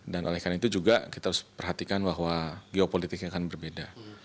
dan oleh karena itu juga kita harus perhatikan bahwa geopolitiknya akan berbeda